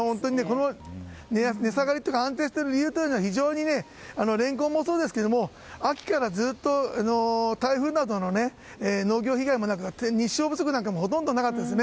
値下がりや安定している理由は非常にレンコンもそうですが秋からずっと台風などの農業被害もなくて日照不足などもほとんどなかったですね。